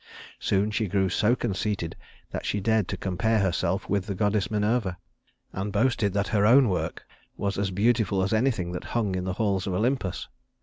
Soon she grew so conceited that she dared to compare herself with the goddess Minerva, and boasted that her own work was as beautiful as anything that hung in the halls of Olympus.